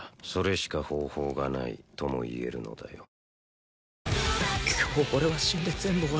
それしか方法がないとも言えるのだよ